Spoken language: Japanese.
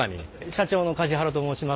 社長の梶原と申します。